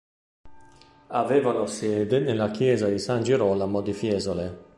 Avevano sede nella chiesa di San Girolamo di Fiesole.